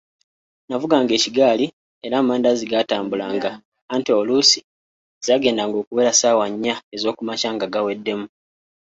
Navuganga ekigaali era amandaazi gaatambulanga anti oluusi zaagendanga okuwera ssaawa nnya ezookumakya nga gaweddemu.